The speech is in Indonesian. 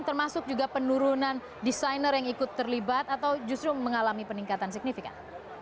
termasuk juga penurunan desainer yang ikut terlibat atau justru mengalami peningkatan signifikan